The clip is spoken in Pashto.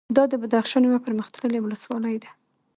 دا د بدخشان یوه پرمختللې ولسوالي ده